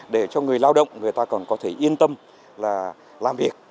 để cho người lao động người ta còn có thể yên tâm là làm việc